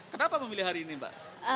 kenapa memilih hari ini mbak